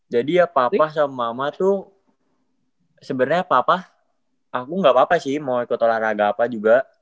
jadi ya papa sama mama tuh sebenernya papa aku gak apa apa sih mau ikut olahraga apa juga